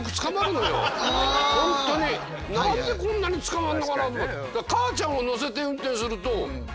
何でこんなにつかまんのかなって。